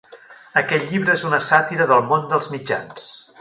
Aquest llibre és una sàtira del món dels mitjans.